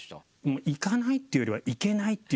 行かないっていうよりは行けないっていうほうが。